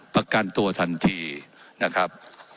ว่าการกระทรวงบาทไทยนะครับ